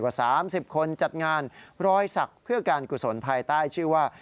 กว่า๓๐คนจัดงานรอยศักดิ์เพื่อการกุศลภายใต้ชื่อว่า